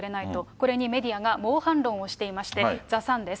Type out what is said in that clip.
これにメディアが猛反論をしていまして、ザ・サンです。